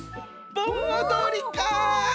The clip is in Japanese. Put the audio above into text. ぼんおどりか！